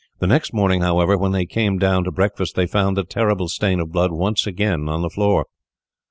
The next morning, however, when they came down to breakfast, they found the terrible stain of blood once again on the floor.